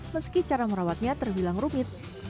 meski cara merawatnya terbilang rumit